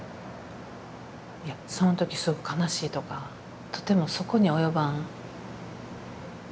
いやその時すぐ悲しいとかとてもそこには及ばん。